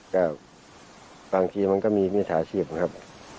หลายครั้งมันก็มีมิสาธิบ